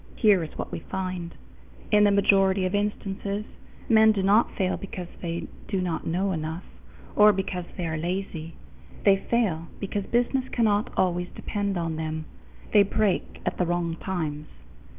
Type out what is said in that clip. Here is what we find: in the majority of instances, men do not fail because they do not know enough, or because they are lazy; they fail because business cannot always depend upon them they break at the wrong times.